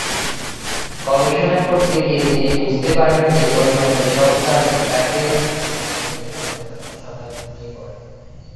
গবেষণা করতে গিয়ে তিনি বুঝতে পারেন যে, পরিমাপের সব কাজ তাকে রাতের বেলা করতে হবে, যখন সবাই ঘুমিয়ে পড়ে।